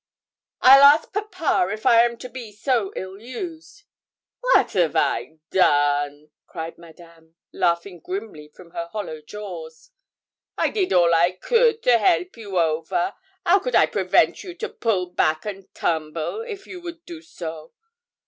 'I'll ask papa if I am to be so ill used.' 'Wat av I done?' cried Madame, laughing grimly from her hollow jaws; I did all I could to help you over 'ow could I prevent you to pull back and tumble if you would do so?